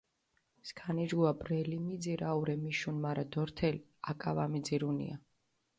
სქანიჯგუა ბრელი მიძირჷ აურე მიშუნ, მარა დორთელო აკა ვამიძირუნია.